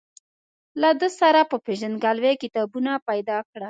له ده سره په پېژندګلوۍ کتابونه پیدا کړل.